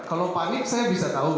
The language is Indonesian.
kalau panik saya bisa tahu